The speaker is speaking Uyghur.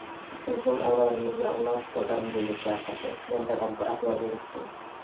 بىزنىڭ ئاۋازىمىزنى ئاڭلاپ، دادام مېنى چاقىردى، مەن دادامغا ئەھۋالنى ئېيتتىم.